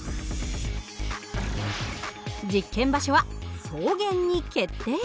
実験場所は草原に決定。